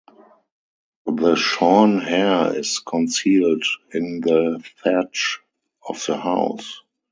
The shorn hair is concealed in the thatch of the house.